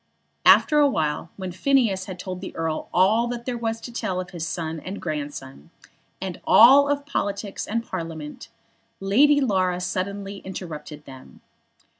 After a while, when Phineas had told the Earl all that there was to tell of his son and his grandson, and all of politics and of Parliament, Lady Laura suddenly interrupted them.